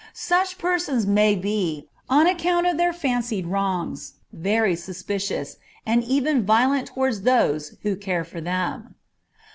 Such persons may be, on account of their fancied wrongs, very suspicious, and even violent towards those who care for them.